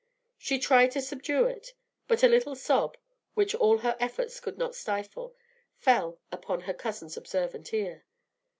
She tried to subdue it; but a little sob, which all her efforts could not stifle, fell upon her cousin's observant ear.